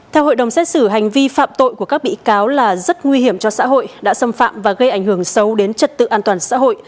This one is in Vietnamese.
theo hội đồng xét xử hành vi phạm tội của các bị cáo là rất nguy hiểm cho xã hội đã xâm phạm và gây ảnh hưởng xấu đến trật tự an toàn xã hội